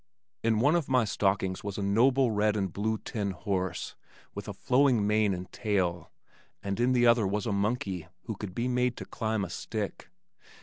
In one of my stockings was a noble red and blue tin horse with a flowing mane and tail, and in the other was a monkey who could be made to climb a stick.